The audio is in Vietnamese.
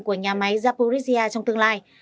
của nhà máy zaporizhia trong tương lai